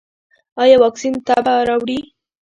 ایا واکسین تبه راوړي؟